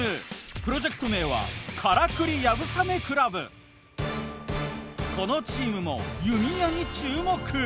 プロジェクト名はこのチームも弓矢に注目。